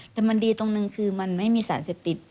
แต่มันดีตรงนึงคือมันไม่มีสารเสพติด